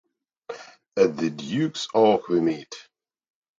At the duke's oak we meet.